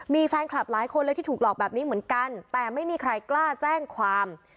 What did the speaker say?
มีแฟนคลับหลายคนเลยที่ถูกหลอกแบบนี้เหมือนกันแต่ไม่มีใครกล้าแจ้งความ